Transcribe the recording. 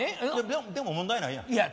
でも問題ないやん。